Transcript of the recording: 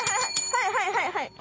はいはいはいはい！